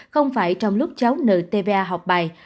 không phải trong lúc cháu nợ tva học bài